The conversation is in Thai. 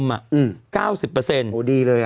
โอ้โหดีเลย